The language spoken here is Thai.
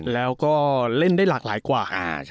แล้วก็เล่นได้หลากหลายกว่า